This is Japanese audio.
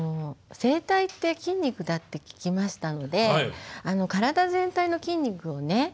声帯って筋肉だって聞きましたので体全体の筋肉をね